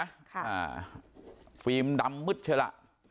ค่ะฟิล์มดรำมืดเฉละ